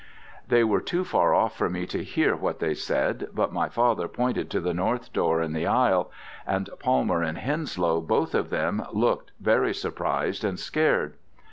"They were too far off for me to hear what they said, but my father pointed to the north door in the aisle, and Palmer and Henslow both of them looked very surprised and scared.